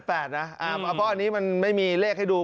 เพราะอันนี้มันไม่มีเลขให้ดู